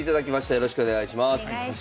よろしくお願いします。